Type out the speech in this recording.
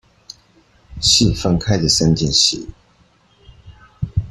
是分開的三件事